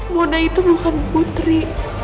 mona itu bukan putri